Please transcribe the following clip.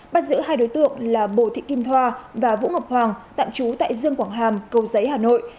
bắt giữ hai đối tượng là bùi thị kim thoa và vũ ngọc hoàng tạm trú tại dương quảng hàm cầu giấy hà nội